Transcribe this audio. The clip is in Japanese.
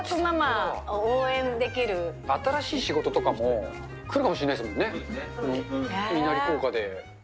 新しい仕事とかも、来るかもしれないですもんね、いなり効果で。